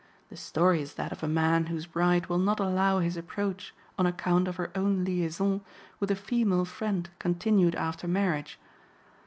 The story is that of a man whose bride will not allow his approach on account of her own liaison with a female friend continued after marriage.